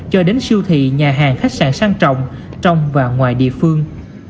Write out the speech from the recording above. cho đến siêu thị nhà hàng khách sạn sang trồng trong và ngoài địa phương